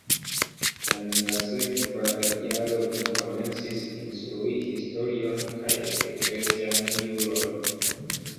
En la sekva jaro li komencis instrui historion kaj eklezian juron.